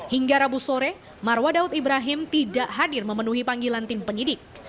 hingga rabu sore marwah daud ibrahim tidak hadir memenuhi panggilan tim penyidik